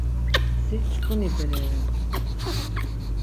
Si çkuni bere re.